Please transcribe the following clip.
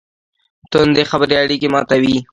توندې خبرې اړیکې ماتوي.